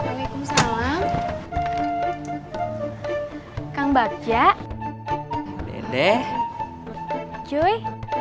tidak ada yang peduli